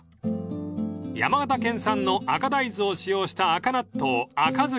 ［山形県産の赤大豆を使用した赤納豆］